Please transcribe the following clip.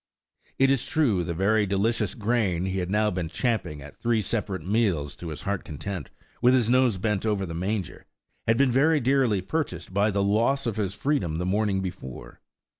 It is true the very delicious grain he had now been champing at three separate meals to his heart's content, with his nose bent over the manger, had been very dearly purchased by the loss of his freedom the morning before.